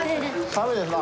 寒いですな。